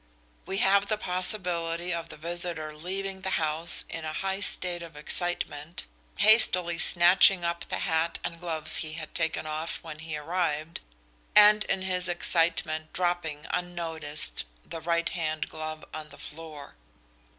We have the possibility of the visitor leaving the house in a high state of excitement, hastily snatching up the hat and gloves he had taken off when he arrived, and in his excitement dropping unnoticed the right hand glove on the floor."